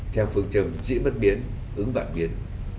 theo phương trình diễn bất biến ứng vạn biến